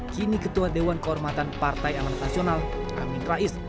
kini ketua dewan kehormatan partai amanat nasional amin rais